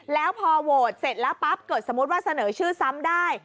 แล้วพอโหวตเสร็จแล้วปั๊บเกิดสมมุติว่าเสนอชื่อซ้ำได้